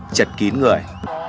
chật kín người